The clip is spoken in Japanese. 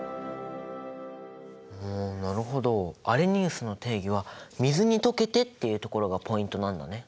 うんなるほどアレニウスの定義は水に溶けてっていうところがポイントなんだね。